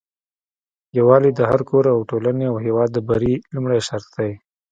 يوالي د هري کور او ټولني او هيواد د بری لمړي شرط دي